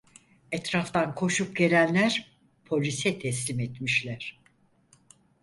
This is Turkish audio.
Etraftan koşup gelenler polise teslim etmişler.